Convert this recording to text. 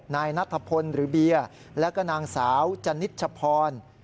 นายนัทพลหรือเบียร์แล้วก็นางสาวจนิชพร